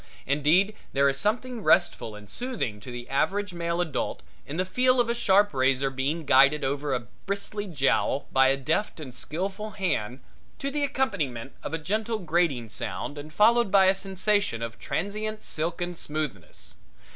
Indeed there is something restful and soothing to the average male adult in the feel of a sharp razor being guided over a bristly jowl by a deft and skillful hand, to the accompaniment of a gentle grating sound and followed by a sensation of transient silken smoothness.